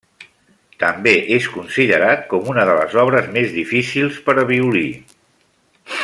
També és considerat com una de les obres més difícils per a violí.